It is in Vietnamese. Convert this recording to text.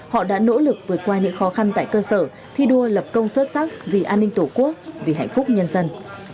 họ đã nỗ lực vượt qua những khó khăn tại cơ sở thi đua lập công xuất sắc vì an ninh tổ quốc vì hạnh phúc nhân dân